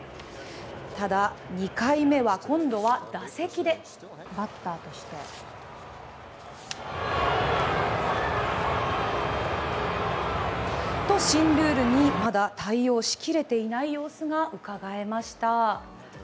ただ、２回目は今度は打席で、バッターとして。とまだ新ルールに対応しきれていない様子がうかがえました。